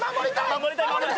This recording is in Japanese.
守りたい！